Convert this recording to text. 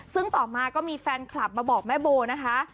ซึ่งต่อมาก็มีแฟนคลับมาบอกแม่โบนะคะ